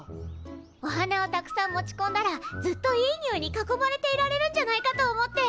お花をたくさん持ちこんだらずっといいにおいに囲まれていられるんじゃないかと思って。